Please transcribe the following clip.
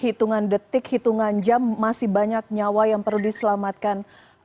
hitungan detik hitungan jam masih banyak nyawa yang perlu diselamatkan